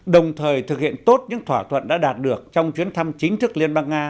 đồng thời thực hiện tốt những thỏa thuận đã đạt được trong chuyến thăm chính thức liên bang nga